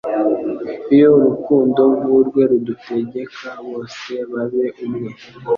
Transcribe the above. iyo Urukundo nk'urwe rudutegeka “Bose babe umwe!”